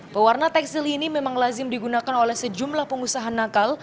pewarna tekstil ini memang lazim digunakan oleh sejumlah pengusaha nakal